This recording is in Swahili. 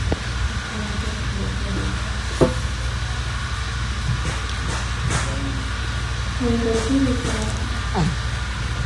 ukiwa unataka kurekodi unapewa pesa unaenda kuliko kuja mtu mmoja mmoja Marehemu Ruge